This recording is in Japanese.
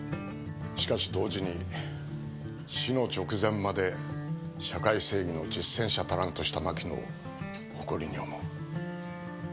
しかし同時に死の直前まで社会正義の実践者たらんとした牧野を誇りに思う。